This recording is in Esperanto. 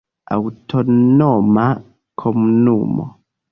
Aŭtonoma Komunumo.